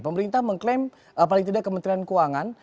pemerintah mengklaim paling tidak kementerian keuangan